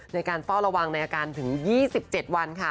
ในการเฝ้าระวังในอาการถึง๒๗วันค่ะ